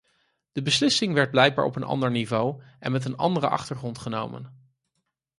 De beslissing werd blijkbaar op een ander niveau en met een andere achtergrond genomen.